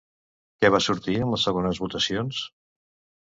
Què va sortir en les segones votacions?